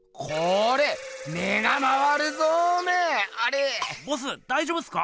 ボスだいじょうぶっすか⁉